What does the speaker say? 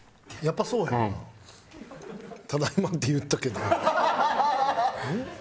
「ただいま」って言ったけどうん？